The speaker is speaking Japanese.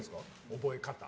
覚え方。